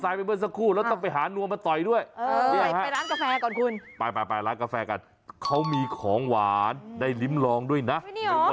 ยังไม่เจอร้านกาแฟเลยค่ะ